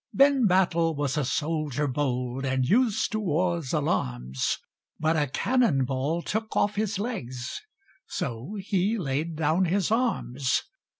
Ben Battle was a soldier bold, And used to war's alarms; But a cannon ball took off his legs, So he laid down his arms!